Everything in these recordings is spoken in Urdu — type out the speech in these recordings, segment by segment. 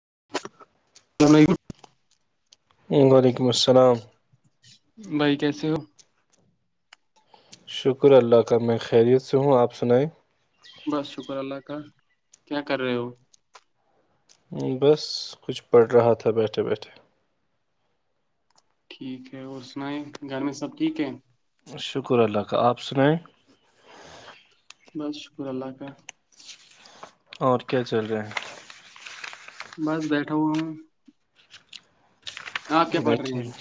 [unintelligible] وعلیکم السلام بھائی کیسے ہو شکر اللہ کا میں خیریت سے ہوں آپ سنائیں بس شکر اللہ کیا کر رہے ہو بس کچھ پڑ رہا تھا بیٹھے بیٹھے ٹھیک ہے اور سنناائیں گھر میں سب ٹھیک ہے شکر اللہ کا آپ سنائیں بس شکر اللہ کا اور کیا چل رہے ہیں بس بیٹھا ہ ہ آپ کیا ہیں پڑھ رہے بیٹھے ہیں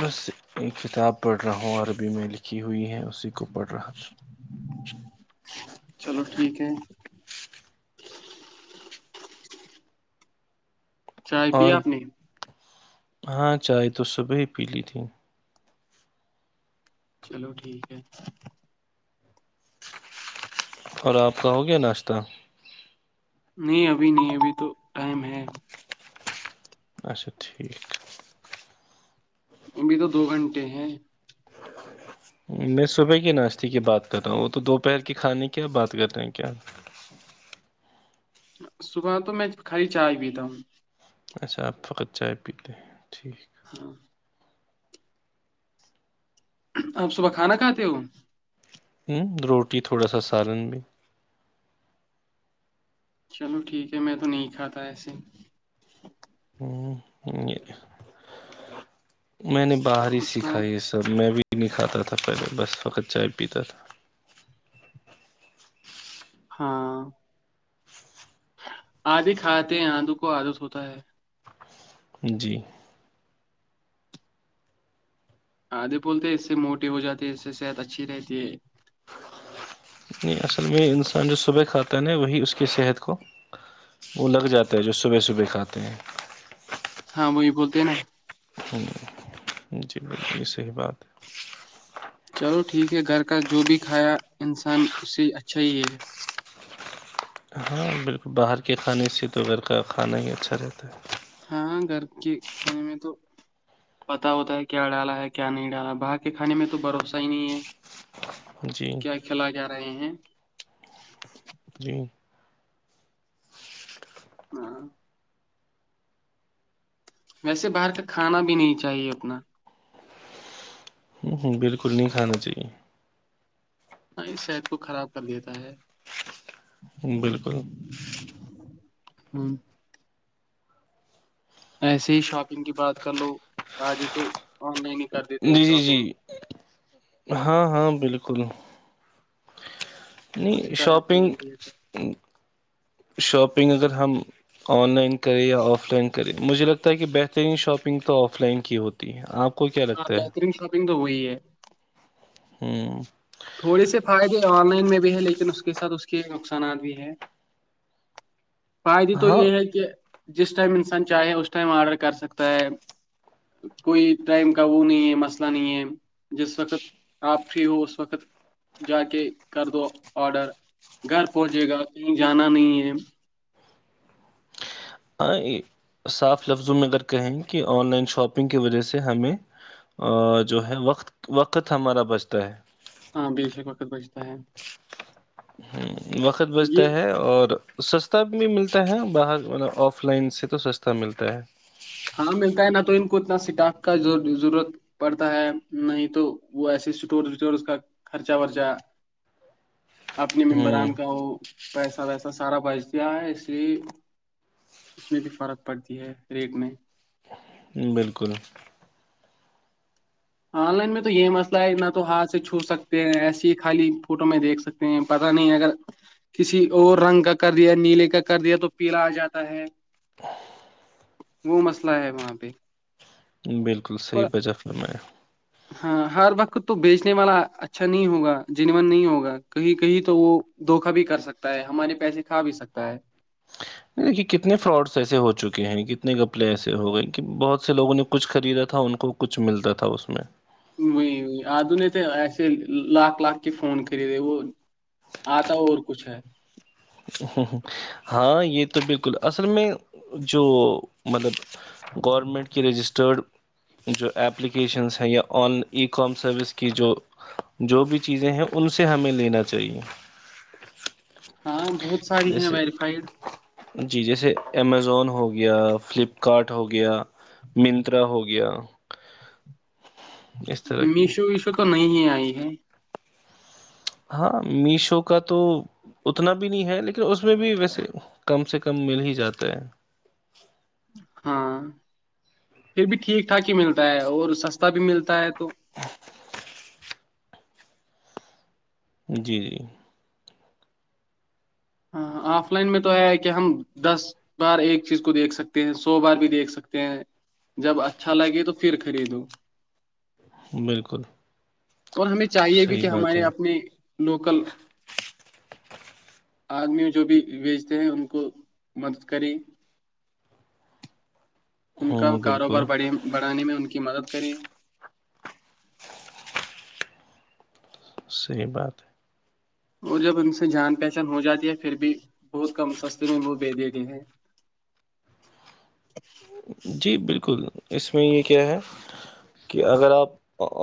میں سے ایک کتاب پڑھ رہا ہوں عربی میں لکھی ہوئی ہے کسی کو پڑ رہا چلو ٹھیک ہے چائے پی اور آپ نے ہاں چائے تو صبح ہی پی لی تھی چلو ٹھیک ہے اور آپ کا ہو گیا ناشتہ نہیں ابھی نہیں ابھی تو ٹائم ہے اچھا ٹھیک ابھی تو دو گھنٹے ہیں میں صبح کے ناشتے کی بات کر رہا ہوں وہ تو دوپہر کے کھانے کی بات کر رہے ہیں کیا صبح تو میں خالی چائے پیتا ہوں اچھا آپ فقت چائے پیتے ہیں ٹھیک ہاں آپ صبح کھانا کھاتے ہو ہوں روٹ اسٹی تھوڑا سارن میں بھی چلو ٹھیک ہے میں تو نہیں کھاتا ایسے ہی ہوں میں نے باہر ہی اور سنائیں؟ سیککھاائی یہ سب میں بھی پی نہیں کھاتا تھا پہلے بس وقت چائے پیتا تھا ہاں آدھی کھاتے ہیں آدو کو آدس ہوتا ہے جی آدھے بولتے ہیں اس سے موٹی ہو جاتی ہے اس سے صحت اچھی رہتی ہے [inaudible] ہاں وہی بولتے ہیں نا جی ب صحیح بات ہے چلو ٹھیک ہے گھر کا جو بھی کھایا انسان اس سے اچھا ہی ہے ہاں بالکل باہر کے کھانے سے تو گھر کا کھانا ہی اچھا رہتا ہے ہاں گھر کے کھانے میں تو پتا ہوتا ہے کیا ڈالا ہے کیا نہیں ڈالا باہر کے کھانے میں تو بھروسہ ہی نہیں ہے ہے جی کیا کھیلا جا رہے ہیں [inaudible] جی ہاں ویسے باہر کا کھانا بھی نہیں چاہیے اپنا ہوں ہوں بالکل نہیں کھانا چاہیے ہ اس صحت کو خراب کر دیتا ہے بالکل ہوں ایسے ہی شاپنگ کی بات کر لو آجے تو آن لائن ہی کر دیتے ہیں جی جی جی شاپنگ ہاں ہاں بالکل اسکل اسی نہیں ٹائپ کا یہ شاپنگ بھی ہے شاپ شاپنگ اگر ہم آن لائن کریں یا آف لائن کریں مجھے لگتا ہے کہ بہترین شاپنگ تو آف لائن کی ہوتی ہے آپ کو کیا ہاں لگتا ہے بہترین شاپنگ تو وہی ہے ہوں تھوڑے سے فائدے آن لائن میں بھی ہے لیکن اس کے ساتھ اس کے نقصانات بھی ہے فائدے تو ہاں یہ ہے کہ جس ٹائم انسان چاہے اس ٹائم آرڈر کر سکتا ہے کوئی ٹائم کا وہ نہیں ہے مسئلہ نہیں ہے جس وقت آپ فری ہو اس وقت جا کے کر دو آڈر گھر پہنچے گا کہیں جانا نہیں ہے ہاں صاف لفظوں میں اگر کہیں کہ آن لائن شاپنگ کی وجہ سے ہمیں جو ہے وقت وقت ہمارا بچتا ہے ہاں بے شک وقت بجتا ہے وقت یہ بجتا ہے اور سستا بھی ملتا ہے باہر آف لائن سے تو سستا ملتا ہے ہاں ملتا ہے نہ تو ان کو اتنا اسٹاف کا ضرورت پڑتا ہے نہیں تو وہ ایسے اسٹورس وٹورس کا خرچہ ورچہ اپنے ہ ممبران کا ہو پیسہ ویسا سارا بج دیا ہے اس لیے اس میں بھی فرق پڑتی ہے ریٹ میں بالکل آن لائن میں تو یہ مسئلہ ہے نہ تو ہاتھ سے چھو سکتے ہیں ایسیے ہی خالی فوٹو میں دیکھ سکتے ہیں پتاہ نہیں اگر کسی اور رنگ کا کر دیا نیلے کا کر دیا تو پیلا آ جاتا ہے وہ مسئلہ ہے وہاں پہ بالکل صحیح اور بجہ پھر میں ہاں ہر وقت تو بیچنے والا اچھا نہیں ہوگا جنن نہیں ہوگا کہیں کہیں تو وہ دھوکا بھی کر سکتا ہے ہمارے پیسے کھا بھی سکتا ہے نہیں دیکھیے کتنے فراڈس ایسے ہو چکے ہیں کتنے گپلے ایسے ہو گئے کہ بہت سے لوگوں نے کچھ خریدا تھا ان کو کچھ ملتا تھا اس میں وہی آدو نہیں تھے ایسے لاکھ لاکھ کے فون خریدے وہ آتا اور کچھ ہے ہوں ہاں یہ تو بالکل اصل میں جو مطلب گورنمنٹ کے رجسٹرڈ جو اپپلیکیشنس ہیں یا آن ای کام سروس کی جو جو بھی چیزیں ہیں ان سے ہمیں لینا چاہیے ہاں بہت ساری ہیں جیسے ویریفائڈ جی جیسے امیزون ہو گیا فلپ کارٹ ہو گیا منترا ہو گیا [inaudible] اس طرح کی مشو وش تو نہیں ہی آئی ہے ہاں میشو کا تو اتنا بھی نہیں ہے لیکن اس میں بھی ویسے کم سے کم مل ہی جاتا ہے ہاں پھر بھی ٹھیک ٹھاک ہی ملتا ہے اور سستا بھی ملتا ہے تو جی جی ہاں آف لائن میں تو ہے کہ ہم دس بار ایک چیز کو دیکھ سکتے ہیں سو بار بھی دیکھ سکتے ہیں جب اچھا لگے تو پھر خریدوں بالکل اور ہمیں چاہیے بھی صحیح کہ بات ہمارے ہے اپنے لوکل آدمی جو بھی بیچتے ہیں ان کو مدد کرے ان کا ہوں بالکل کاروبار بڑانے میں ان کی مدد کریں صحیح بات ہے اور جب ان سے جان پہچان ہو جاتی ہے پھر بھی بہت کم سستے میں منہ بھیے دیےتےئے ہیں جی بالکل اس میں یہ کیا ہے کہ اگر آپ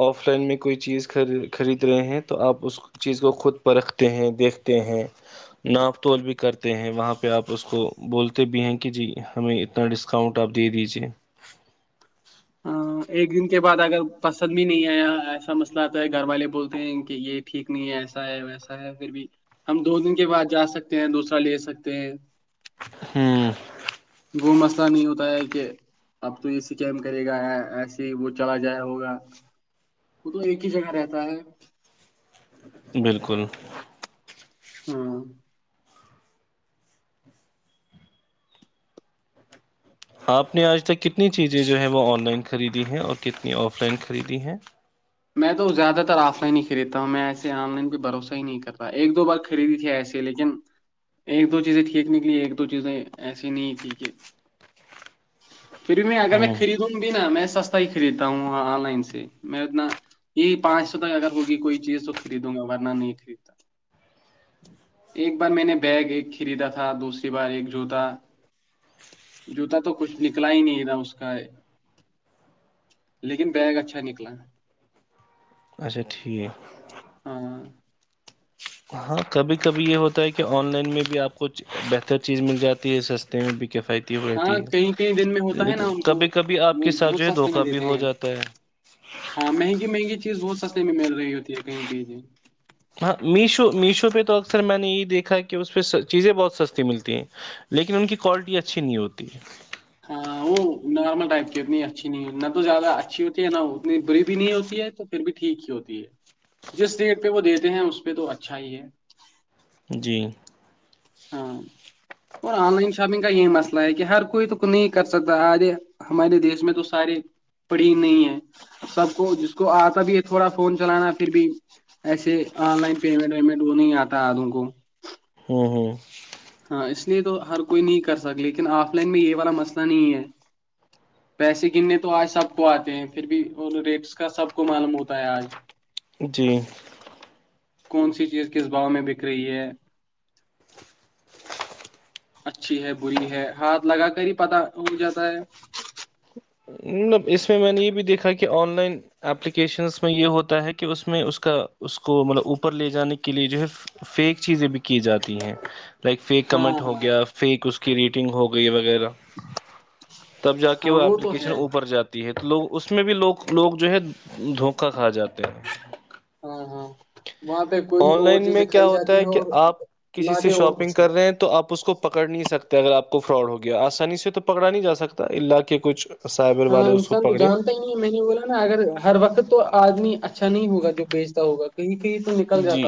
آف لائن میں کوئی چیز خرید رہے ہیں تو آپ اس چیز کو خود پرکھتے ہیں دیکھتے ہیں ناپ توول بھی کرتے ہیں وہاں پہ آپ اس کو بولتے بھی ہیں کہ جی ہمیں اتنا ڈسکاؤنٹ پ دے دیجیے [unintelligible] ہ ایک دن کے بعد اگر پسند بھی نہیں آیا ایسا مسئلہ آتا ہے گھر والے بولتے ہیں کہ یہ ٹھیک نہیں ہے ایسا ہے ویسا ہے پھر بھی ہم دو دن کے بعد جا سکتے ہیں دوسرا لے سکتے ہیں ہوں وہ مسئلہ نہیں ہوتا ہے کہ اب تو یہ سکیم کرے گا ایسے ہی وہ چلا جایا ہوگا وہ تو ایک ہی جگہ رہتا ہے بالکل ہاں آپ نے آج تک کتنی چیزیں جو ہیں وہ آن لائن خریدی ہیں اور کتنی آف لائن خریدی ہیں میں تو زیادہ تر آف لائن ہی خریدتا ہوں میں ایسے آن لائن بھی بھروسہ ہی نہیں کر رہا ایک دو بار خریدی تھی ایسے لیکن ایک دو چیزیں ٹھیک نکلی ایک دو چیزیں ایسی نہیں تھی کہ پھر میں اگر میں ہوں خرید دوں گی ن میں سستا ہی خریدتا ہوں آن لائن سے میں اتنا [unintelligible] یہی پانچ سو تک اگر ہوگی کوئی چیز تو خریدوں گا ورنہ نہیں خریدتا ایک بار میں نے بیگ ایک خریدا تھا دوسری بار ایک جوتا جوتا تو کچھ نکلا ہی نہیں تھا اس کا لیکن بیگ اچھا نکلا اچھا ٹھیک ہاں ہاں کبھی کبھی یہ ہوتا ہے کہ آن لائن میں بھی آپ کو بہتر چیز مل جاتی ہے سستے میں بھی کفیت تی ہاں ہے کہیں کہیں دن میں ہوتا ہے نا لیکن ان کو کبھی کبھی آپ وہ کے ساتھ بہت جو ہے سستے میں دھوکا بھی دیتے ہو ہیں جاتا ہے ہاں مہنگی مہنگی چیز بہت سستے میں مل رہی ہوتی ہے کہیں کہیں ج ہاں میشو میشو پہ تو اکثر میں نے یہ دیکھا کہ اس پہ چیزیں بہت سستی ملتی ہیں لیکن ان کی کوالٹی اچھی نہیں ہوتی ہاں وہ نارمل ٹائپ کی اتنی اچھی نہیں ہوتی نہ تو زیادہ اچھی ہوتی ہے نہ اتنی بری بھی نہیں ہوتی ہے تو پھر بھی ٹھیک ہی ہوتی ہے جس ریٹ پہ وہ دیتے ہیں اس پہ تو اچھا ہی ہے جی ہاں اور آن لائن شاپنگ کا یہی مسئلہ ہے کہ ہر کوئی تو نہیں کر سکتا آدے ہمارے دیش میں تو سارے پڑی نہیں ہے سب کو جس کو آتا بھی ہے تھوڑا فون چلانا پھر بھی ایسے آن لائن پیمنٹ ویمنٹ وہ نہیں آتا آدوں کو ہوں ہوں ہاں اس لیے تو ہر کوئی نہیں کر سک لیکن آف لائن میں یہ والا مسئلہ نہیں ہے پیسے گننے تو آج سب کو آتے ہیں پھر بھی ریٹس کا سب کو معلوم ہوتا ہے آج جی کون سی چیز کس بااں میں بک رہی ہے اچھی ہے بری ہے ہاتھ لگا کر ہی پتا اگ جاتا ہے مطلب اس میں نے یہ بھی دیکھا کہ آن لائن اپلیکیشنس میں یہ ہوتا ہے کہ اس میں اس کا اس کو مطلب اوپر لے جانے کے لے جو ہے فیک چیزیں بھی کی جاتی ہیں لائک فیک ہاں کمنٹ ہو ہاں گیا فیک اس کو کی ریٹنگ ہو گئی ہےس [unintelligible] تب جا کے ہاں ہو وہ تو کچن ہے اوپر جات ہے تو لوگ اس میں بھی لوگ لوگ جو ہے دھوکہ کھا جاتے ہیں ہاں ہاں وہاں پہ کوئی آن اور لائن چیز میں کیا دکھائی ہوتا جاتی ہے کہ اور آپ کسی سے لاتے اور شاپنگ کچھ ہے کر رہے ہیں تو آپ اس کو پکڑ نہیں سکتے کہ اگر آپ کو فراڈ ہو گیا آسانی سے تو پکڑا نہیں جا سکتا اللہ کے کچھ سائبر ہاں والے اس کو انسان تو پکڑے جانتا ہی نہیں ہے میں نے بولا نا اگر ہر وقت تو آدمی اچھا اچھا نہیں ہوگا جو بیچتا ہوگا نہیں جی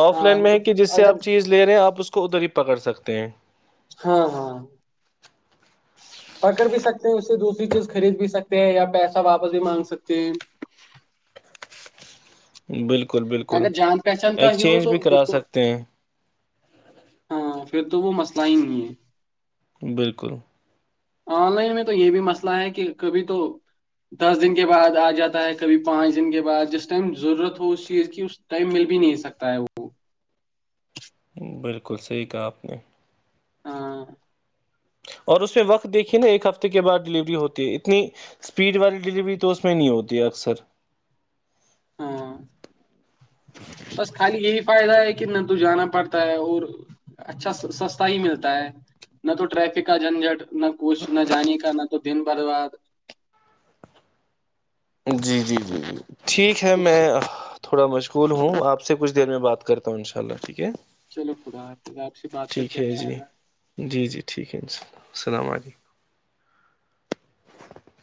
آف ہاں لائن میں ہے تو کہ جس سے آپ اگر چیز لے رہے ہیں آپ اس کو ادھر ہی پکڑ سکتے تے ہاں ہاں پکڑ بھی سکتے ہیں اس سے دوسری چیز خرید بھی سکتے ہیں یا پیسہ واپس بھی مانگ سکتے ہیں بالکل بالکل بالکل اگر جان پہچان کا ہی ہو ایکسچینج بھی تو پھر کرا تو سکتے ہیں ہاں پھر تو وہ مسئلہ ہی نہیںئی ہیں بالکل آن لائن میں تو یہ بھی مسئلہ ہے کہ کبھی تو دس دن کے بعد آ جاتا ہے کبھی پانچ دن کے بعد جس ٹائم ضرورت ہو اسی چیز کی اس ٹائم مل بھی نہیں سکتا ہے وہ بالکل بالکل صحیح کہا آپ نے ہاں اور اس میں وقت دیکھیے نا ایک ہفتے کے بعد ڈلیوری ہوتی ہے اتنی اسپیڈ والی ڈیلیوری تو اس میں نہیں ہوتی ہے اکثر ہاں بس خالی یہی فائدہ ہے کہ نہ تو جانا پڑتا ہے اور اچھا سستا ہی ملتا ہے نہ تو ٹریفک کا جھنجھٹ نہ کچھ نہ جانے کا نہ تو دن بر باد جی جی جی جی ٹھیک ہے اس میں تھوڑا مشغول ہوں آپ سے کچھ دیر میں بات کرتا ہوں ان شاء اللہ ٹھیک ہے چلو خدا حافظ آپ سے بات کر ٹھیک کے ہے اچھا جی لگا جی جی ٹھیک ہے ان شاءلہ السلام علیکم [unintelligible] [inaudible]